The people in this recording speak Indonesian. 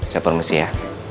saya permisi ya